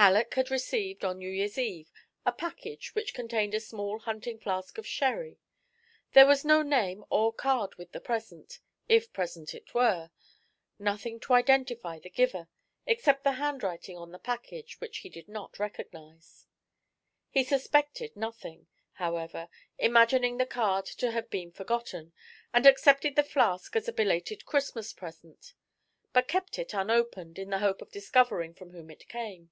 Halleck had received on New Year's Eve a package which contained a small hunting flask of sherry. There was no name or card with the present if present it were; nothing to identify the giver, except the hand writing on the package, which he did not recognize. He suspected nothing, however, imagining the card to have been forgotten, and accepted the flask as a belated Christmas present; but kept it unopened, in the hope of discovering from whom it came.